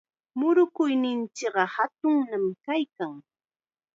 Murukuyninchikqa hatunnam kaykan.